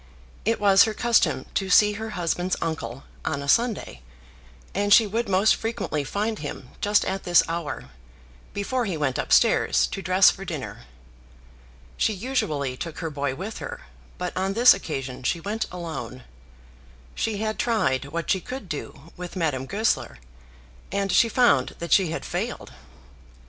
It was her custom to see her husband's uncle on a Sunday, and she would most frequently find him just at this hour, before he went up stairs to dress for dinner. She usually took her boy with her, but on this occasion she went alone. She had tried what she could do with Madame Goesler, and she found that she had failed.